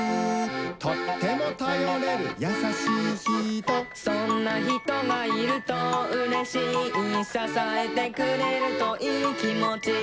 「とってもたよれるやさしいひと」「そんなひとがいるとうれしい」「ささえてくれるといいきもち」